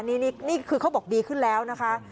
นี่คือเขาบอกดีขึ้นแล้วนะคะ